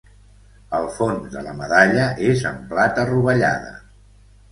El fons de la medalla és en plata rovellada.